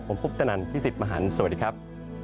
ผมพุทธนันทร์พี่สิทธิ์มหาลสวัสดีครับ